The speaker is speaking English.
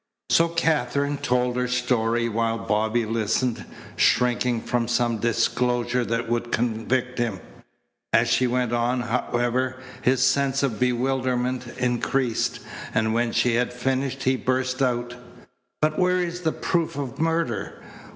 So Katherine told her story while Bobby listened, shrinking from some disclosure that would convict him. As she went on, however, his sense of bewilderment increased, and when she had finished he burst out: "But where is the proof of murder?